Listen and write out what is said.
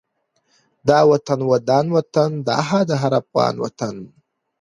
دا وطن ودان وطن دا د هر افغان وطن